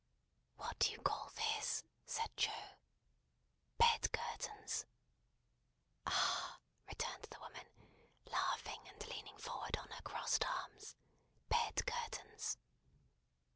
"What do you call this?" said Joe. "Bed curtains!" "Ah!" returned the woman, laughing and leaning forward on her crossed arms. "Bed curtains!"